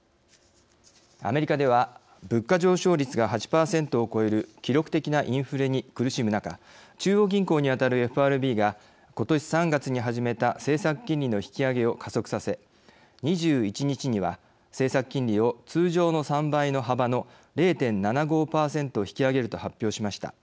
アメリカでは物価上昇率が８％を超える記録的なインフレに苦しむ中中央銀行にあたるＦＲＢが今年３月に始めた政策金利の引き上げを加速させ２１日には政策金利を通常の３倍の幅の０．７５％引き上げると発表しました。